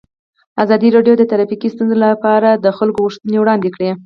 ازادي راډیو د ټرافیکي ستونزې لپاره د خلکو غوښتنې وړاندې کړي.